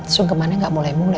sungkeman nya gak mulai mulai ya